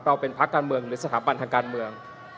เป็นพักการเมืองหรือสถาบันทางการเมือง